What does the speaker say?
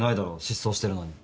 失踪してるのに。